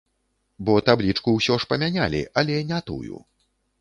Бо таблічку ўсё ж памянялі, але не тую!